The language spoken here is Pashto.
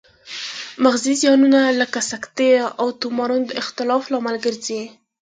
مغزي زیانونه لکه سکتې او تومورونه د اختلال لامل ګرځي